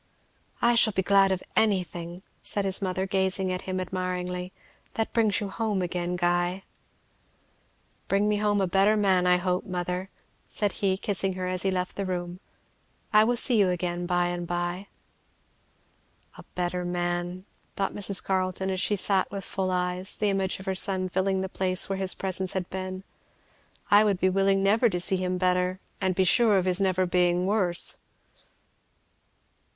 "I shall be glad of anything," said his mother, gazing at him admiringly, "that brings you home again, Guy." "Bring me home a better man, I hope, mother," said he kissing her as he left the room. "I will see you again by and by." "'A better man!'" thought Mrs. Carleton, as she sat with full eyes, the image of her son filling the place where his presence had been; "I would be willing never to see him better and be sure of his never being worse!"